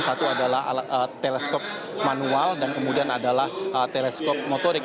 satu adalah teleskop manual dan kemudian adalah teleskop motorik